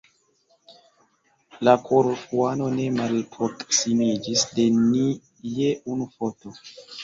La Korfuano ne malproksimiĝis de ni je unu futo.